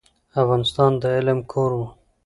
افغانستان د علم کور و.